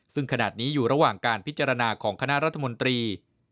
ซึ่งขณะนี้อยู่ระหว่างการพิจารณาของคณะรัฐมนตรี